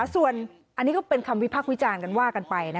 ส่วนอันนี้ก็เป็นคำวิพักษ์วิจารณ์กันว่ากันไป